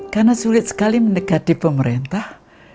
karena sulit sekali mendekati pemerintah